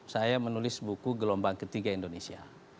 saya menulis buku gelombang ketiga indonesia